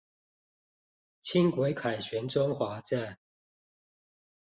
輕軌凱旋中華站